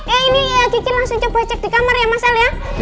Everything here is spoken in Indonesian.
eh ini ya kiki langsung coba cek di kamar ya mas el ya